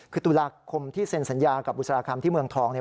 คือตุลาคมที่เซ็นสัญญากับบุษราคำที่เมืองทองเนี่ย